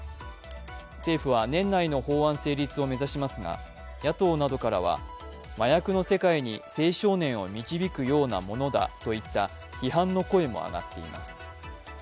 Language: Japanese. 政府は年内の法案成立を目指しますが野党などからは麻薬の世界に青少年を導くようなものだといった批判の声も上がっています。